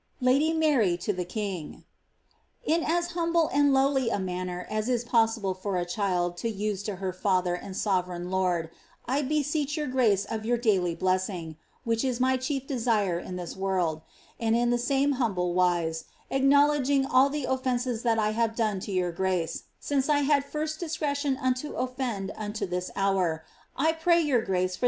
«La9T Mamt to Tm Kzva.* <* In as bumble and lowly a manner as is possible finr a child to an to hm fluher and sovereign lord, I beseech yoor grace of yonr daily blossiag» wUsh m my chief desire in this world, and in the same bumble wise, acknowMglvg dl the offences that I have done to yonr grace, since I bad flrst diswoUua ton ollend unto this hour, I pray yonr grace for